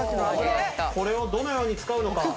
これをどのように使うのか？